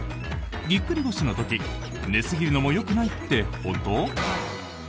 ぎっくり腰の時寝すぎるのもよくないって本当？